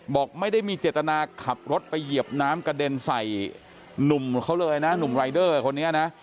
บอกไม่ได้มีเจตนาขับรถไปเหยียบน้ำกระเด็นใส่หนุ่มเขาเลยนะหนุ่มรายเดอร์คนนี้นะ